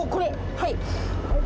はい。